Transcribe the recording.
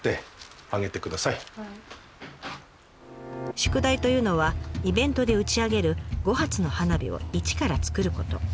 宿題というのはイベントで打ち上げる５発の花火を一から作ること。